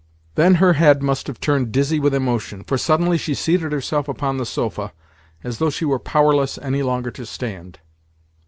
Then her head must have turned dizzy with emotion, for suddenly she seated herself upon the sofa, as though she were powerless any longer to stand.